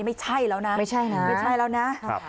ไม่ใช่แล้วนะไม่ใช่แล้วนะ